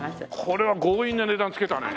これは強引な値段つけたね。